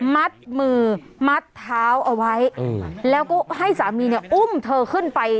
มัดมือมัดเท้าเอาไว้แล้วก็ให้สามีเนี่ยอุ้มเธอขึ้นไป